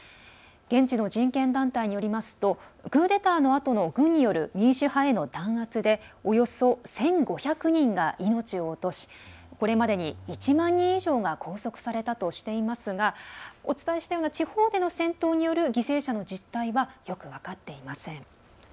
現地の人権団体によりますとクーデターのあとの軍による民主派への弾圧でおよそ１５００人が命を落としこれまでに１万人以上が拘束されたとしていますがお伝えしたような地方での戦闘による犠牲者の実態はよく分かっていません。